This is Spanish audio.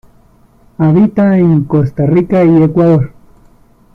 Habita en Costa Rica y Ecuador.